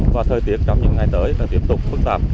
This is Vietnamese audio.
và thời tiết trong những ngày tới là tiếp tục phức tạp